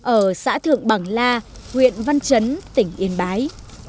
ở xã thượng bằng la huyện văn chấn tỉnh yên bái